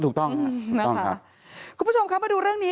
ถูกต้องครับ